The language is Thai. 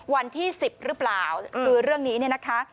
วันที่๑๐หรือเปล่าคือเรื่องนี้เนี่ยนะคะ